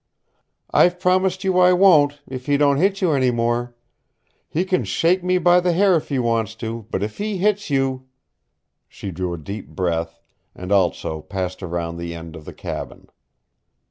"I've promised you I won't if he don't hit you any more. He kin shake me by the hair if he wants to. But if he hits you " She drew a deep breath, and also passed around the end of the cabin.